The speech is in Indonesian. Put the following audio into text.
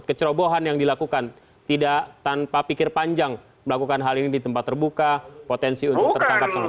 kecerobohan yang dilakukan tidak tanpa pikir panjang melakukan hal ini di tempat terbuka potensi untuk tertangkap